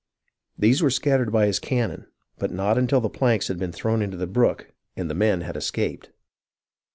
These were scattered by his cannon, but not until the planks had been thrown into the brook and the men had escaped.